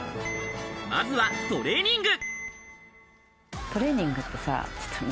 まずはトレーニング。